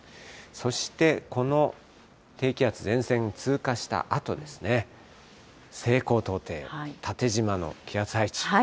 そして、この低気圧前線通過したあとですね、西高東低、縦じまの気圧配置。